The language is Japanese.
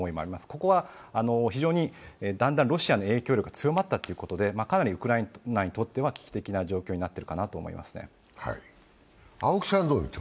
ここは非常にだんだんロシアの影響力が強まったということでかなりウクライナにとっては危機的な状況になっているかと思いますね。